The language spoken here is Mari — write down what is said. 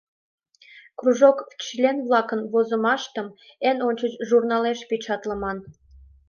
Кружок член-влакын возымыштым эн ончыч журналеш печатлыман.